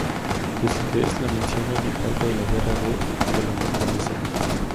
Tucídides la menciona en el marco de la Guerra del Peloponeso.